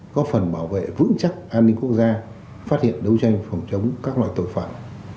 có phần bảo vệ vững chắc an ninh quốc gia phát hiện đấu tranh phòng chống các loại tội phạm